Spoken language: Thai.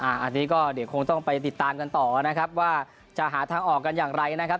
อันนี้ก็เดี๋ยวคงต้องไปติดตามกันต่อนะครับว่าจะหาทางออกกันอย่างไรนะครับ